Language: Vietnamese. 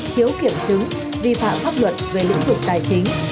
thiếu kiểm chứng vi phạm pháp luật về lĩnh vực tài chính